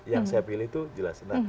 yang saya pilih itu jelas senang